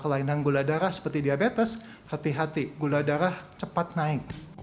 kelainan gula darah seperti diabetes hati hati gula darah cepat naik